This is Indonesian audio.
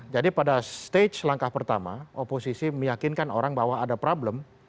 jadi pada stage langkah pertama oposisi meyakinkan orang bahwa ada problem